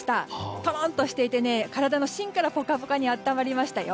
トロンとしていて体の芯からポカポカに温まりましたよ。